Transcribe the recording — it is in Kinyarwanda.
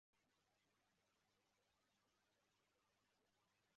mugihe aha impapuro abantu banyura kumuhanda